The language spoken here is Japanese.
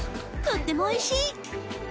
とってもおいしい。